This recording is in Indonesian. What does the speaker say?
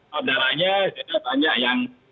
saudaranya banyak yang